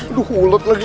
aduh hulet lagi